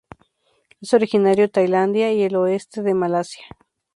Es originario Tailandia y el oeste de Malasia.